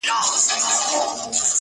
ماسومان حيران ولاړ وي چوپ تل-